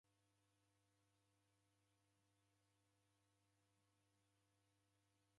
Sa mzumba seji ulolagha kiju.